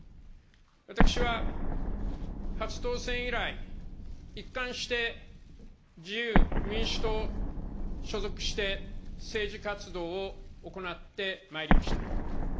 私は初当選以来、一貫して自由民主党所属して政治活動を行ってまいりました。